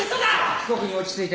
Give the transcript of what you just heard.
被告人落ち着いて。